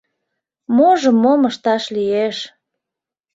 Можым мом ышташ лиеш...